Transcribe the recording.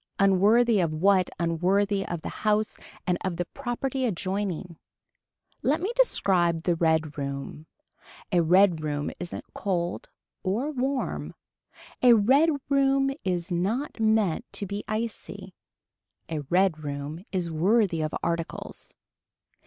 Unworthy of what unworthy of the house and of the property adjoining. Let me describe the red room. A red room isn't cold or warm. A red room is not meant to be icy. A red room is worthy of articles.